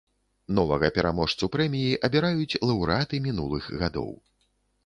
Новага пераможцу прэміі абіраюць лаўрэаты мінулых гадоў.